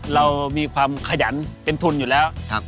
เรามีความขยันเป็นทุนอยู่แล้ว